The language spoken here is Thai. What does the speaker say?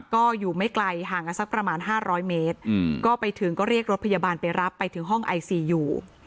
ก็อยู่ไม่ไกลห่างกันสักประมาณ๕๐๐เมตรก็ไปถึงก็เรียกรถพยาบาลไปรับไปถึงห้องไอซียู